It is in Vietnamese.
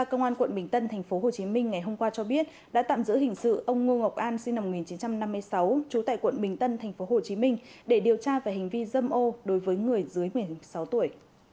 công an quận bình tân tp hcm ngày hôm qua cho biết đã tạm giữ hình sự ông ngô ngọc an sinh năm một nghìn chín trăm năm mươi sáu trú tại quận bình tân tp hcm để điều tra về hành vi dâm ô đối với người dưới một mươi sáu tuổi